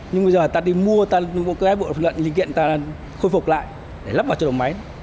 nhưng bây giờ ta đi mua ta cái bộ linh kiện ta khôi phục lại để lắp vào cho đồng máy